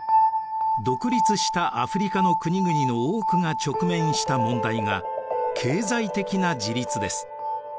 独立したアフリカの国々の多くが直面した問題が経済的な自立です。